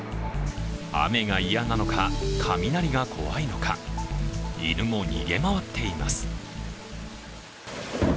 雨が嫌なのか、雷が怖いのか、犬も逃げ回っています。